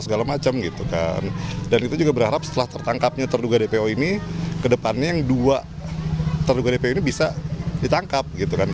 setelah tertangkapnya terduga dpo ini ke depannya yang dua terduga dpo ini bisa ditangkap